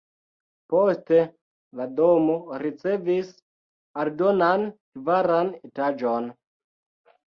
Poste la domo ricevis aldonan kvaran etaĝon.